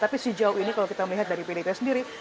tapi sejauh ini kalau kita melihat dari pdip sendiri